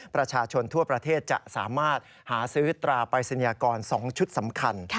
ประชาชนทั่วประเทศจะสามารถหาซื้อตราปรายศนียากร๒ชุดสำคัญ